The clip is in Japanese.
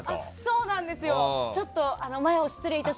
そうなんですよ。